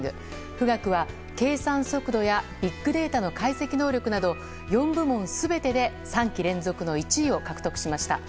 「富岳」は計算速度やビッグデータの解析能力など４部門全てで３期連続の１位を獲得しました。